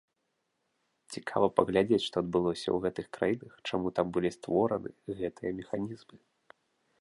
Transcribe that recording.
Цікава паглядзець, што адбылося ў гэтых краінах, чаму там былі створаны гэтыя механізмы?